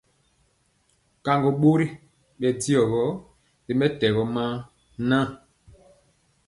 Kaŋgo bori bɛ diɔgɔ ri mɛtɛgɔ maa nan.